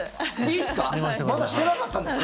まだしてなかったんですか？